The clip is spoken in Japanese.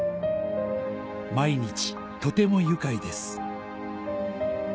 「毎日とても愉快です」